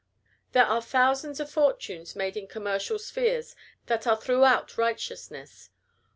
_ There are thousands of fortunes made in commercial spheres that are throughout righteous.